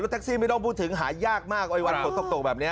แท็กซี่ไม่ต้องพูดถึงหายากมากไอ้วันฝนตกแบบนี้